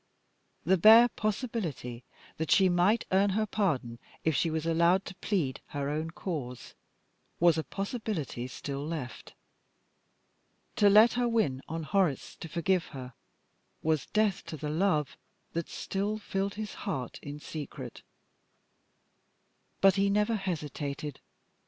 The bare possibility that she might earn her pardon if she was allowed to plead her own cause was a possibility still left. To let her win on Horace to forgive her, was death to the love that still filled his heart in secret. But he never hesitated.